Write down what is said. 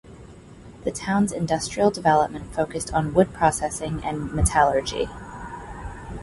The town's industrial development focused on wood processing and metallurgy.